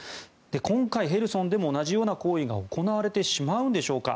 今回、ヘルソンでも同じような行為が行われてしまうんでしょうか。